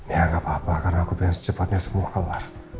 ya gak apa apa karena aku pengen secepatnya semua kelar